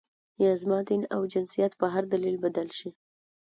یا زما دین او جنسیت په هر دلیل بدل شي.